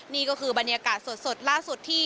นี่ก็คือบรรยากาศสดล่าสุดที่